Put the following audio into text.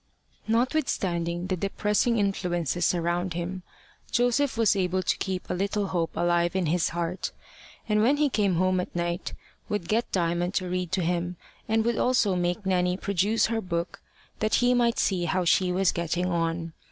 Notwithstanding the depressing influences around him, Joseph was able to keep a little hope alive in his heart; and when he came home at night, would get Diamond to read to him, and would also make Nanny produce her book that he might see how she was getting on.